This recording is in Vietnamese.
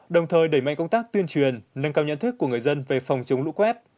đồng thời đẩy mạnh công tác tuyên truyền nâng cao nhận thức của người dân về phòng chống lũ quét